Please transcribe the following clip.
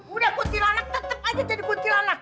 udah kuntilanak tetap aja jadi kuntilanak